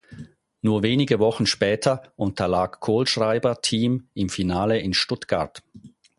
Nur wenige Wochen später unterlag Kohlschreiber Thiem im Finale in Stuttgart.